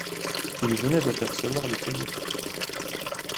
Il venait d’apercevoir l’écolier.